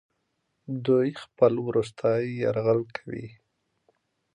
دوی خپل وروستی یرغل کوي.